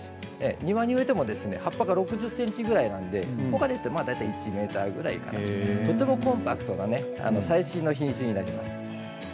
庭に植えても葉っぱが６０ｃｍぐらいなのでとってもコンパクトな最新の品種になります。